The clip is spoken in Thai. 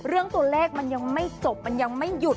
เรื่องตัวเลขมันยังไม่จบมันยังไม่หยุด